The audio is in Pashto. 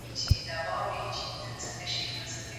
ثمرګل وویل چې ژوند یو امتحان دی.